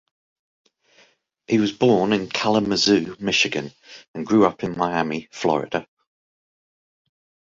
He was born in Kalamazoo, Michigan and grew up in Miami, Florida.